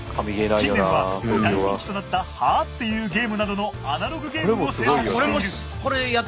近年は大人気となった「はぁって言うゲーム」などのアナログゲームも制作している。